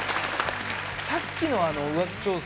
さっきの浮気調査